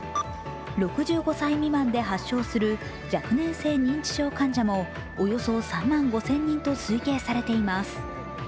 ６５歳未満で発症する若年性認知症患者もおよそ３万５０００人と推計されています。